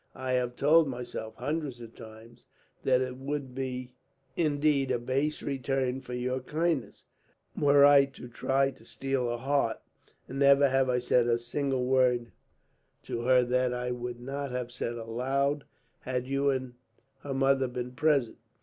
I have told myself, hundreds of times, that it would be, indeed, a base return for your kindness, were I to try to steal her heart; and never have I said a single word to her that I would not have said, aloud, had you and her mother been present.